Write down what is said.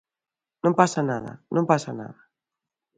Non pasa nada, non pasa nada.